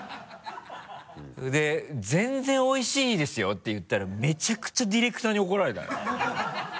で「全然おいしいですよ」って言ったらめちゃくちゃディレクターに怒られたね。